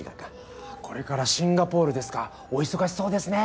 あぁこれからシンガポールですかお忙しそうですね。